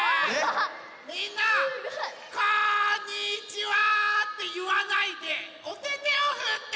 みんな「こんにちは！」っていわないでおててをふって！